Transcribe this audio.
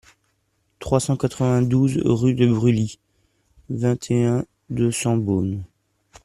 trois cent quatre-vingt-douze rue de Brully, vingt et un, deux cents, Beaune